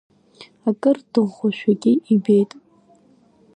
Акыр дыӷәӷәашәагьы ибеит.